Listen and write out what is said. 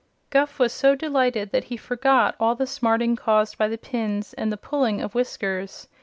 Guph was so delighted that he forgot all the smarting caused by the pins and the pulling of whiskers.